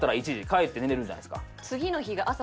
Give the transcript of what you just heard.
帰って寝れるじゃないですか。